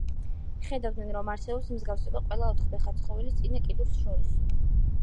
ხედავდნენ, რომ არსებობს მსგავსება ყველა ოთხფეხა ცხოველის წინა კიდურს შორის.